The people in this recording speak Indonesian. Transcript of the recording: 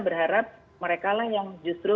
berharap mereka lah yang justru